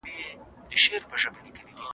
د الله تعالی دغه قول ذکر سوی دی.